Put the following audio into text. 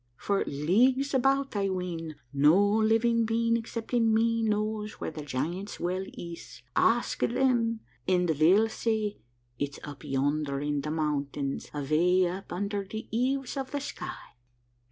For leagues about, I ween, no living being excepting me knows where the Giants' Well is. Ask them and they'll say, "It's up yonder in the mountains, away up under the eaves of the sky.